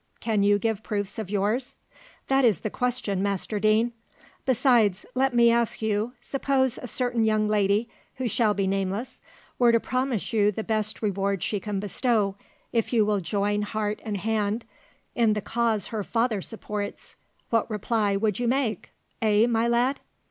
Can you give proofs of yours? that is the question, Master Deane. Besides, let me ask you, suppose a certain young lady, who shall be nameless, were to promise you the best reward she can bestow, if you will join heart and hand in the cause her father supports, what reply would you make eh, my lad?"